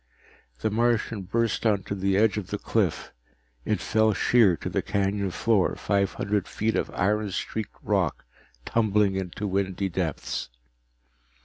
The Martian burst onto the edge of the cliff. It fell sheer to the canyon floor, five hundred feet of iron streaked rock tumbling into windy depths.